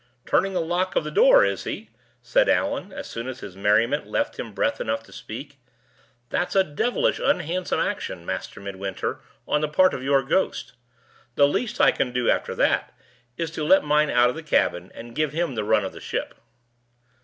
"Turning the lock of the door, is he?" said Allan, as soon as his merriment left him breath enough to speak. "That's a devilish unhandsome action, Master Midwinter, on the part of your ghost. The least I can do, after that, is to let mine out of the cabin, and give him the run of the ship."